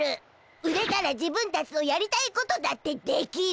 売れたら自分たちのやりたいことだってできる。